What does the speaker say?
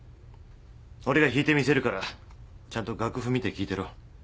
俺が弾いてみせるからちゃんと楽譜見て聴いてろ。